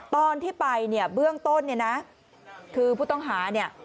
ตอนที่ไปเบื้องต้นคือผู้ต้องหา